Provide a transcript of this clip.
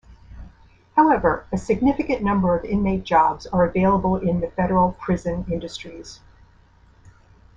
However, a significant number of inmate jobs are available in the Federal Prison Industries.